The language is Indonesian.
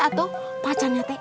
atau pacarnya teh